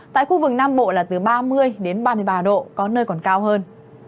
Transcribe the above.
tại khu vực nam bộ là từ ba mươi đến ba mươi ba độ có nơi còn cao hơn